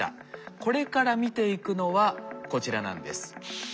これから見ていくのはこちらなんです。